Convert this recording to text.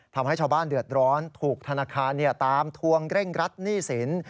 ทำให้ชาวบ้านเดือดร้อนถูกธนาคารตามทวงเร่งรัดหนี้สิน